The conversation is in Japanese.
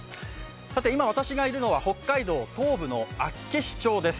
今、私がいるのは北海道東部の厚岸町です。